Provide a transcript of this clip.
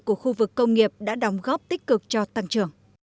của khu vực công nghiệp đã đóng góp tích cực cho tăng trưởng